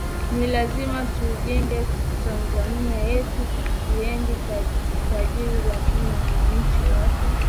ni lazima tuijege tanzania yetu iende tajiri lakini wananchi wake